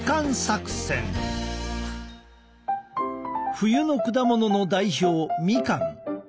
冬の果物の代表みかん。